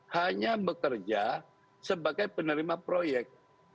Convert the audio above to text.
hanya bekerja sebagai penerima proyek